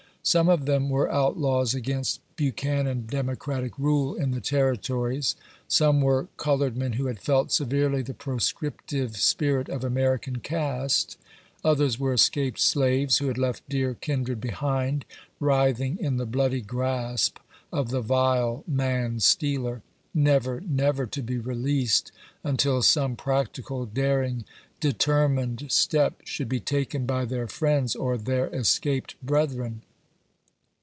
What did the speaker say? Some of them were outlaws against Bu chanan Democratic rule in the Territories ; some were colored men who had felt severely the prescriptive spirit of American caste ; others were escaped slaves, who had left dear kindred behind, writhing in the bloody grasp of the vile man stealer, never, never to be released, until some practical, daring, de termined step should be taken by their friends or their escaped brethren.